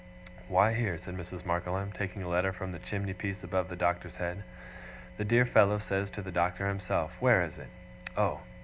'Why, here,' said Mrs. Markleham, taking a letter from the chimney piece above the Doctor's head, 'the dear fellow says to the Doctor himself where is it? Oh!